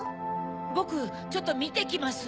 ボクちょっとみてきます。